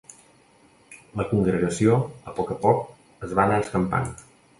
La congregació, a poc a poc, es va anar escampant.